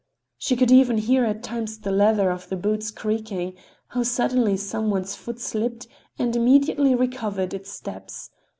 She could even hear at times the leather of the boots creaking, how suddenly some one's foot slipped and immediately recovered its steps.